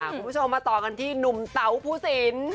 คุณผู้ชมมาต่อกันที่หนุ่มเต๋าผู้สิน